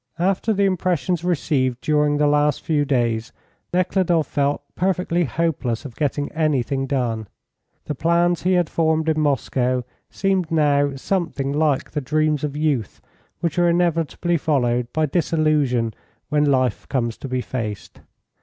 After the impressions received during the last few days, Nekhludoff felt perfectly hopeless of getting anything done. The plans he had formed in Moscow seemed now something like the dreams of youth, which are inevitably followed by disillusion when life comes to be faced.